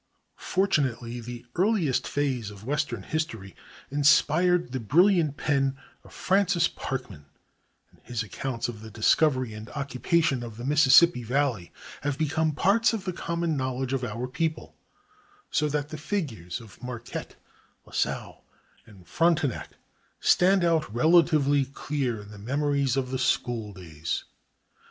Fortunately the earliest phase of western history inspired the brilliant pen of Francis Parkman, and his accounts of the discovery and occupation of the Mississippi Valley have become parts of the common knowledge of our people, so that the figures of Marquette, Lasalle, and Frontenac stand out relatively clear in the memories of the school days.